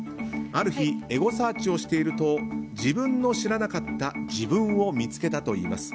ある日、エゴサーチをしていると自分の知らなかった自分を見つけたといいます。